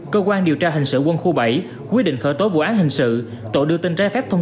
cơ quan điều tra hình sự quân khu bảy quyết định khởi tố vụ án hình sự tội đưa tin trái phép thông